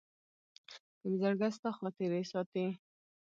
که مي زړګي ستا خاطرې ساتي